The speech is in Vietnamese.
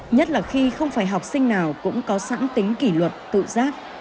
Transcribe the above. nhất là khi không phải học sinh nào cũng có sẵn tính kỷ luật tự giác